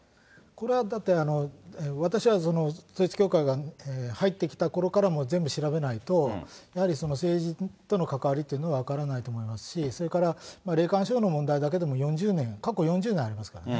これはだって、私は、統一教会が入ってきたころからもう全部調べないと、やはり政治との関わりというのは分からないと思いますし、それから霊感商法の問題だけでも、４０年、過去４０年ありますからね。